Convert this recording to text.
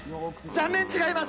残念、違います。